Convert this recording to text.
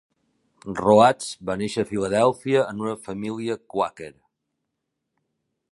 Rhoads va néixer a Filadèlfia en una família quàquer.